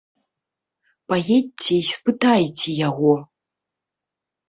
Паедзьце і спытайце яго!